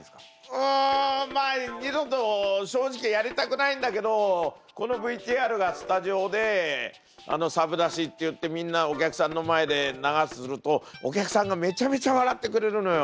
うんまあ二度と正直やりたくないんだけどこのＶＴＲがスタジオでサブ出しっていってみんなお客さんの前で流すとお客さんがめちゃめちゃ笑ってくれるのよ。